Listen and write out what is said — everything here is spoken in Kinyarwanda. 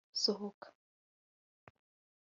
sohoka